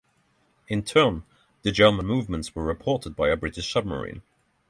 In turn, the German movements were reported by a British submarine.